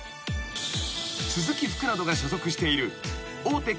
［鈴木福などが所属している大手